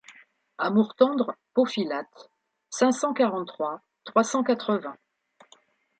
Amour tendre Pophilat cinq cent quarante-trois trois cent quatre-vingts.